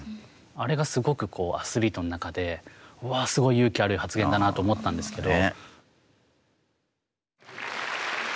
あれがすごくアスリートの中でわあ、すごい勇気ある発言だなと思ったんですけど。